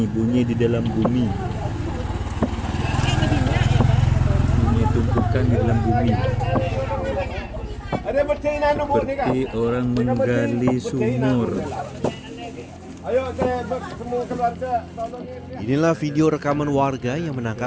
bunyi di dalam bumi bunyi di dalam bumi